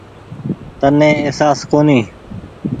تني اهساس ڪونيٚ ۔